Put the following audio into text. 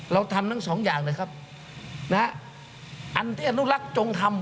เราทำทั้งสองอย่างเลยครับนะฮะอันที่อนุรักษ์จงทำ